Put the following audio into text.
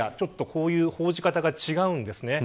こういう報じ方が違うんです。